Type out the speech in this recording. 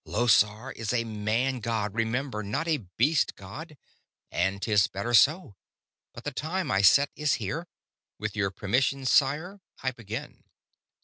"Llosir is a man god, remember, not a beast god, and 'tis better so. But the time I set is here. With your permission, sire, I begin."